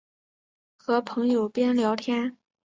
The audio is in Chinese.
和朋友边聊天